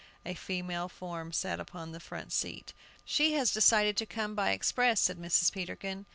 A female form sat upon the front seat. "She has decided to come by express," said Mrs. Peterkin.